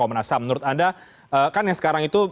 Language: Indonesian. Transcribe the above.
menurut anda kan yang sekarang itu